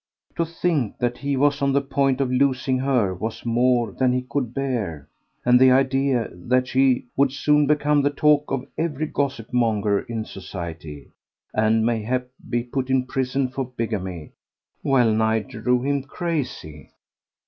To think that he was on the point of losing her was more than he could bear, and the idea that she would soon become the talk of every gossip monger in society, and mayhap be put in prison for bigamy, wellnigh drove him crazy.